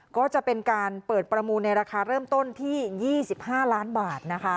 ก็จะเป็นการเปิดประมูลในราคาเริ่มต้นที่๒๕ล้านบาทนะคะ